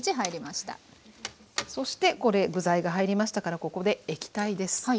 そして具材が入りましたからここで液体です。